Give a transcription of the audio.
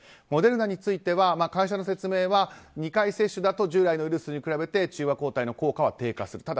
モデルナについては会社の説明は２回接種だと従来のウイルスに比べて中和抗体の効果は低下する。